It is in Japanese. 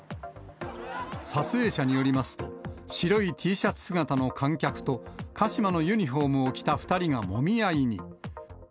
撮影者によりますと、白いＴシャツ姿の観客と、鹿島のユニホームを着た２人がもみ合いに。